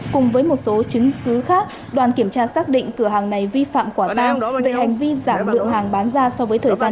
cùng với một số chứng cứ khác đoàn kiểm tra xác định cửa hàng này vi phạm quả tang về hành vi giảm lượng hàng bán ra so với thời gian